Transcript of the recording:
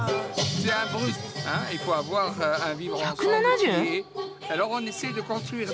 １７０！？